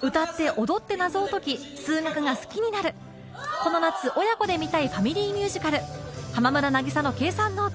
歌って踊って謎を解き数学が好きになるこの夏親子で見たいファミリーミュージカル「浜村渚の計算ノート」